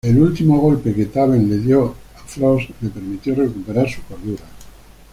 El último golpe que Taven le hizo a Frost, le permitió recuperar su cordura.